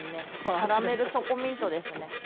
キャラメルチョコミントですね。